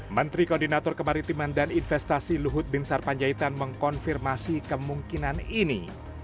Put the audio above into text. menteri koordinator kemaritiman dan investasi luhut bin sarpanjaitan mengkonfirmasi kemungkinan ini